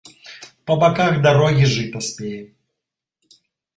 Па баках дарогі жыта спее.